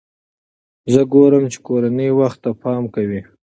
زه ګورم چې کورنۍ وخت ته پام کوي.